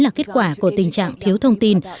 là kết quả của tình trạng thiếu thông tin